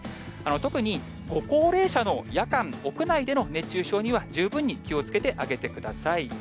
特にご高齢者の夜間、屋内での熱中症には十分に気をつけてあげてください。